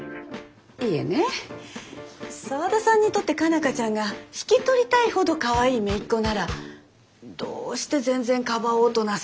いえね沢田さんにとって佳奈花ちゃんが引き取りたいほどかわいい姪っ子ならどうして全然かばおうとなさらないのかなって。